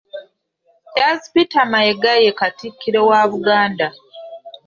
Charles Peter Mayiga ye Katikkiro wa Buganda.